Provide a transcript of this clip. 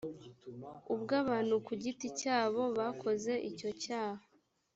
ubw abantu ku giti cyabo bakoze icyo cyaha